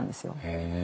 へえ。